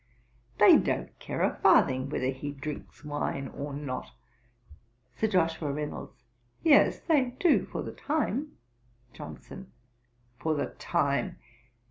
They don't care a farthing whether he drinks wine or not.' SIR JOSHUA REYNOLDS. 'Yes, they do for the time.' JOHNSON. 'For the time!